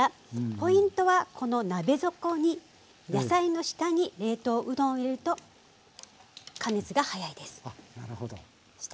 ポイントはこの鍋底に野菜の下に冷凍うどんを入れると加熱が早いです。